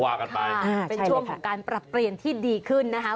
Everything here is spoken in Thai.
เป็นช่วงของการปรับเปลี่ยนที่ดีขึ้นนะครับ